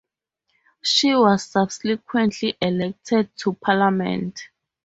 She was subsequently elected to parliament.